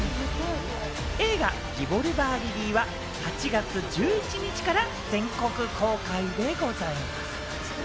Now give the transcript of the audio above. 映画『リボルバー・リリー』は８月１１日から全国公開でございます。